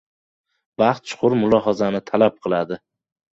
• Baxt chuqur mulohazani talab qiladi.